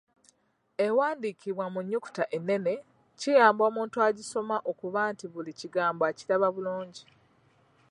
Ewandiikibwa mu nnukuta ennene kiyamba omuntu agisoma okuba nti buli kigambo akiraba bulungi.